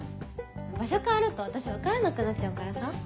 場所変わると私分からなくなっちゃうからさ。